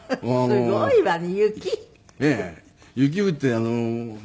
すごいわね！